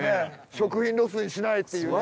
食品ロスにしないっていうね。